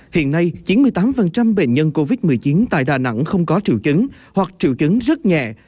hiện nay chín mươi tám bệnh nhân covid một mươi chín tại đà nẵng không có triệu chứng hoặc triệu chứng rất nhẹ